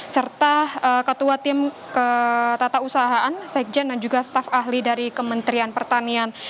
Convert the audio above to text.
serta ketua tim ketata usahaan sekjen dan juga staf ahli dari kementerian pertanian